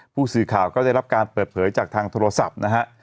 ผู้สื่อข่าวก็ได้รับการเปิดเผยจากทางโทรศัพท์นะฮะ